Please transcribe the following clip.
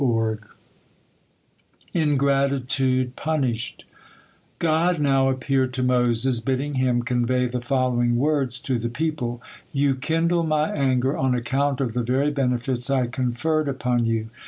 INGRATITUDE PUNISHED God now appeared to Moses, bidding him convey the following words to the people: "You kindle My anger on account of the very benefits I conferred upon you.